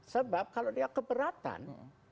sebab kalau dia keberatan